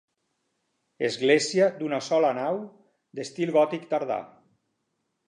Església d'una sola nau, d'estil gòtic tardà.